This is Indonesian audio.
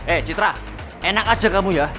eh citra enak aja kamu ya